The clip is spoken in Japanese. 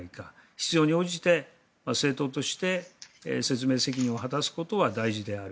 必要に応じて政党として説明責任を果たすことは大事である。